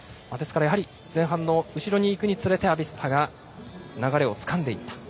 前半の後ろにいくにつれてアビスパが流れをつかんでいった。